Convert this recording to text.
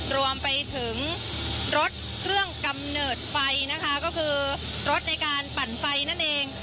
รวมไปถึงรถเครื่องกำเนิดไฟนะคะก็คือรถในการปั่นไฟนั่นเอง